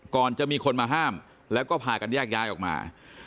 ก่อนจะมีคนมาห้ามแล้วก็พากันแยกย้ายออกมา